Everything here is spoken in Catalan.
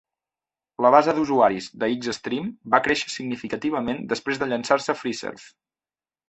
La base d'usuaris de X-Stream va créixer significativament després de llançar-se Freeserve.